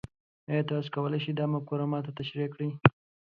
ایا تاسو کولی شئ دا مفکوره ما ته تشریح کړئ؟